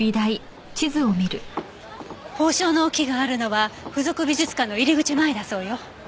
芳樟の木があるのは附属美術館の入り口前だそうよ。